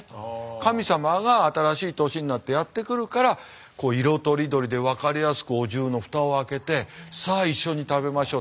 神様が新しい年になってやって来るからこう色とりどりで分かりやすくお重の蓋を開けてさあ一緒に食べましょう。